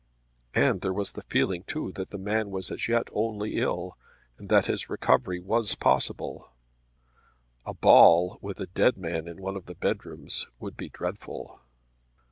And there was the feeling too that the man was as yet only ill, and that his recovery was possible. A ball, with a dead man in one of the bedrooms, would be dreadful.